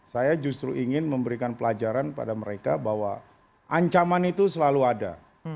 saya justru ingin memberikan pelajaran pada mereka bahwa ancaman itu selalu ada